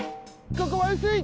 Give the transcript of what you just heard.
ここはうすい！